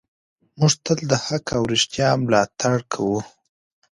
موږ تل د حق او رښتیا ملاتړ کوو.